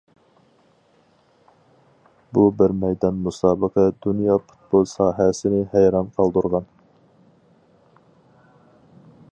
بۇ بىر مەيدان مۇسابىقە دۇنيا پۇتبول ساھەسىنى ھەيران قالدۇرغان.